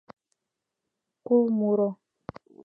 Кул муро